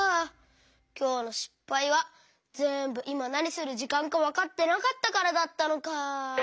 きょうのしっぱいはぜんぶいまなにするじかんかわかってなかったからだったのか。